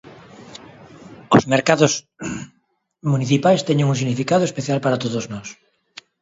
Os mercados municipais teñen un significado especial para todos nós.